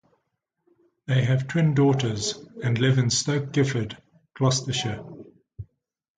They have twin daughters and live in Stoke Gifford, Gloucestershire.